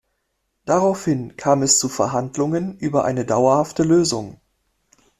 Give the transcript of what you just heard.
Daraufhin kam es zu Verhandlungen über eine dauerhafte Lösung.